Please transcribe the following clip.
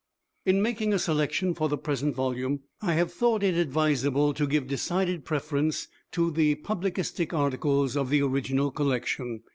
In making a selection for the present volume, I have thought it advisable to give decided preference to the publicistic articles of the original collection.